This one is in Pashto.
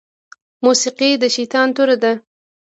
موسيقي د شيطان توره ده